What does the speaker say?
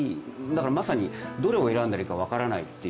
まさに、どれを選んだらいいか分からない